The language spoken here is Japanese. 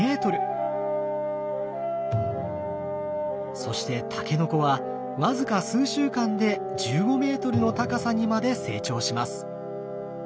そしてタケノコは僅か数週間で１５メートルの高さにまで成長します。